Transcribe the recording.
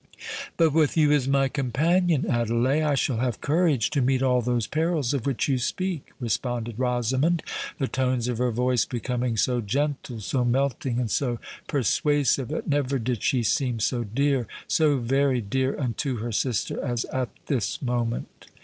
"But with you as my companion, Adelais, I shall have courage to meet all those perils of which you speak," responded Rosamond, the tones of her voice becoming so gentle, so melting, and so persuasive, that never did she seem so dear—so very dear unto her sister as at this moment.